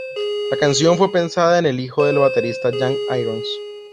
La canción fue pensada en el hijo del baterista Jack Irons